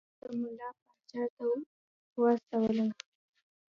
ده زه ملا پاچا ته واستولم.